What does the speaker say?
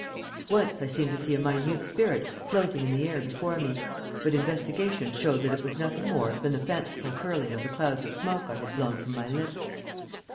Once I seemed to see a minute spirit floating in the air before me, but investigation showed that it was nothing more than the fanciful curling of the clouds of smoke I had blown from my lips.